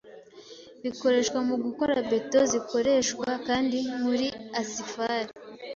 bikoreshwa mugukora beto; zikoreshwa kandi muri asifal